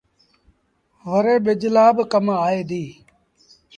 وري ٻج لآ با ڪم آئي ديٚ